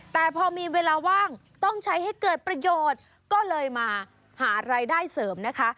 แต่พอมีเวลาว่างต้องใช้ให้เกิดประโยชน์ก็เลยมาหารายได้เสริมนะคะ